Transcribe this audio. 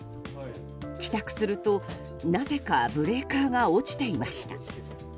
帰宅するとなぜかブレーカーが落ちていました。